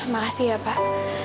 makasih ya pak